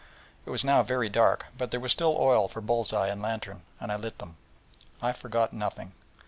It was now very dark; but there was still oil for bull's eye and lantern, and I lit them. I forgot nothing.